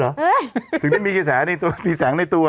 เอ๊ะถึงได้มีแสงในตัว